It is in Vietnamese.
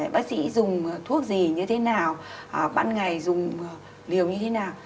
bác sĩ dùng thuốc gì như thế nào ban ngày dùng liều như thế nào